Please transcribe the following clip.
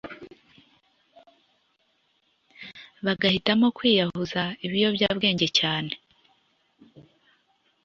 bagahitamo kwiyahuza ibiyobyabwenge cyane